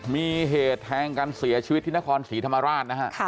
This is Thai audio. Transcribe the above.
มีเหตุแทงกันเสียชีวิตที่นครศรีธรรมราชนะฮะ